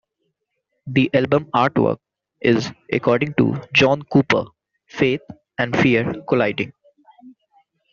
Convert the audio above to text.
The album artwork is, according to John Cooper, faith and fear colliding.